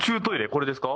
これですか？